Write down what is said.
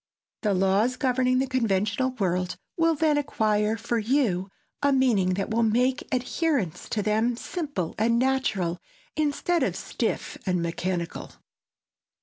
The laws governing the conventional world will then acquire for you a meaning that will make adherence to them simple and natural, instead of stiff and mechanical.